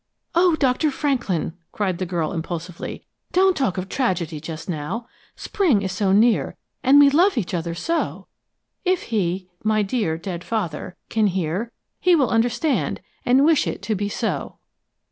"Oh, Doctor Franklin!" cried the girl, impulsively. "Don't talk of tragedy just now! Spring is so near, and we love each other so! If he my dear, dead father can hear, he will understand, and wish it to be so!"